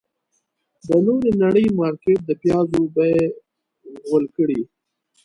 د نورې نړۍ مارکيټ د پيازو بيې غول کړې.